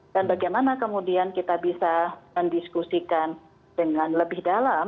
dan bagaimana kemudian kita bisa mendiskusikan dengan lebih dalam